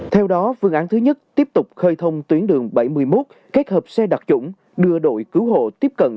theo đó phương án thứ nhất tiếp tục khơi thông tuyến đường bảy mươi một kết hợp xe đặc trủng đưa đội cứu hộ tiếp cận